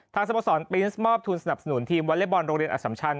สโมสรปรินส์มอบทุนสนับสนุนทีมวอเล็กบอลโรงเรียนอสัมชัน